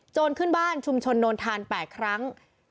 ขึ้นบ้านชุมชนโนนทาน๘ครั้ง